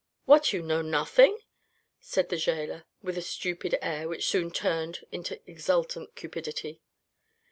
" What, you know nothing ?" said the gaoler, with a stupid air which soon turned into exultant cupidity.